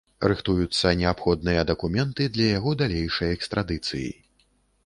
Рыхтуюцца неабходныя дакументы для яго далейшай экстрадыцыі.